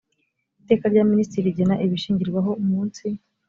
iteka rya minisitiri rigena ibishingirwaho munsi